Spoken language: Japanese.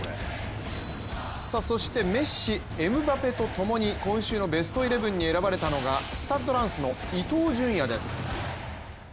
そしてメッシエムバペとともに今週のベストイレブンに選ばれたのがスタッド・ランスの伊東純也です。